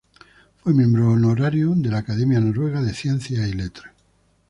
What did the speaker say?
Fue miembro honorario de la Academia Noruega de Ciencias y Letras.